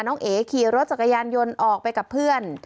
เอ๋ขี่รถจักรยานยนต์ออกไปกับเพื่อน